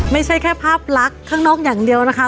ไม่ใช่แค่ภาพลักษณ์ข้างนอกอย่างเดียวนะคะ